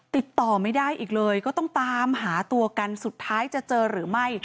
ติดต่อไม่ได้อีกเลยก็ต้องตามหาตัวกันสุดท้ายจะเจอหรือไม่